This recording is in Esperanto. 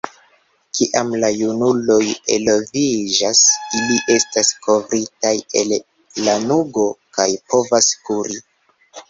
Kiam la junuloj eloviĝas, ili estas kovritaj el lanugo kaj povas kuri.